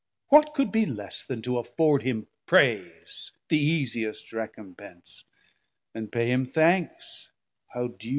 What could be less then to afford him praise, The easiest recompence, and pay him thanks, How due!